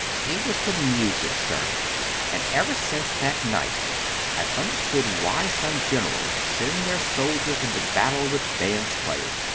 "It was the music, sir; and ever since that night I've understood why some generals send their soldiers into battle with bands playing.